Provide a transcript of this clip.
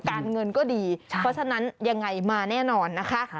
การเงินก็ดีเพราะฉะนั้นยังไงมาแน่นอนนะคะ